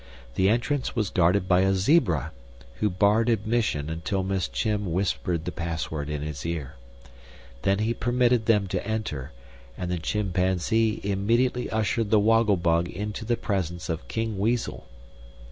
The entrance was guarded by a Zebra, who barred admission until Miss Chim whispered the password in his ear. Then he permitted them to enter, and the Chimpanzee immediately ushered the Woggle Bug into the presence of King Weasel.